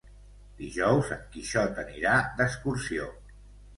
Dijous en Quixot anirà d'excursió.